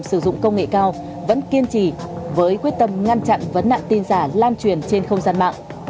sử dụng công nghệ cao vẫn kiên trì với quyết tâm ngăn chặn vấn nạn tin giả lan truyền trên không gian mạng